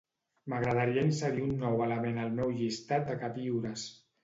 M'agradaria inserir un nou element al meu llistat de queviures.